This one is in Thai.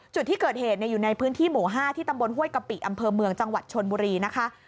จุดที่เกิดเหตุอยู่ในพื้นที่หมู่๕ที่ตำบลห้วยกะปิอำเภอเมืองจังหวัดชนบุรีนะคะ